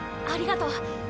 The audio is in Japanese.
ありがとう。